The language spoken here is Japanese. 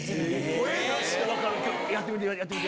やってみて。